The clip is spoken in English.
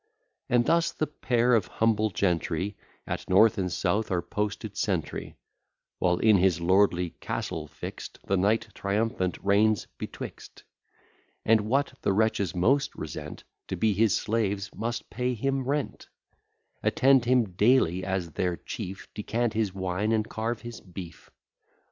And thus the pair of humble gentry At north and south are posted sentry; While in his lordly castle fixt, The knight triumphant reigns betwixt: And, what the wretches most resent, To be his slaves, must pay him rent; Attend him daily as their chief, Decant his wine, and carve his beef.